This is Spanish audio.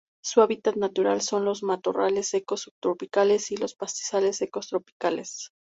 Su hábitat natural son los matorrales secos subtropicales y los pastizales secos tropicales.